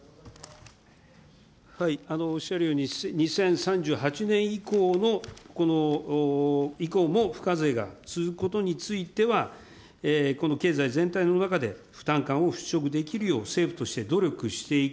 おっしゃるように、２０３８年以降の、以降も付加税が続くことについては、この経済全体の中で、負担感を払拭できるよう、政府として努力していく、